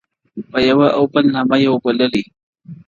په یوه او بل نامه یې وو بللی؛